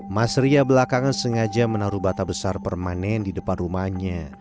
mas ria belakangan sengaja menaruh bata besar permanen di depan rumahnya